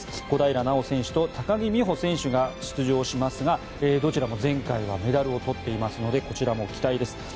小平奈緒選手と高木美帆選手が出場しますがどちらも前回はメダルを取っていますのでこちらも期待です。